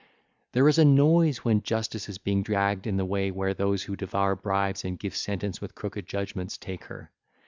There is a noise when Justice is being dragged in the way where those who devour bribes and give sentence with crooked judgements, take her.